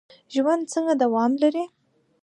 ژوند څنګه دوام لري؟